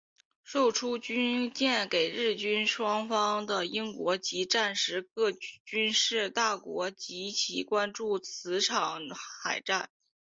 售出军舰给日清双方的英国及当时各军事大国极为关注此场海战。